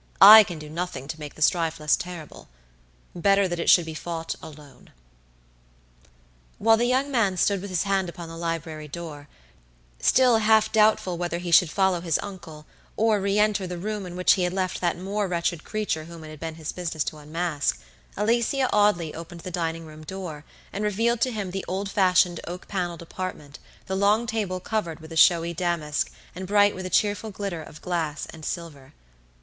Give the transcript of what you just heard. I can do nothing to make the strife less terrible. Better that it should be fought alone." While the young man stood with his hand upon the library door, still half doubtful whether he should follow his uncle or re enter the room in which he had left that more wretched creature whom it had been his business to unmask, Alicia Audley opened the dining room door, and revealed to him the old fashioned oak paneled apartment, the long table covered with showy damask, and bright with a cheerful glitter of glass and silver.